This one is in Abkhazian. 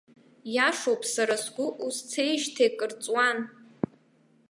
Иашоуп, сара сгәы узцеижьҭеи акыр ҵуан.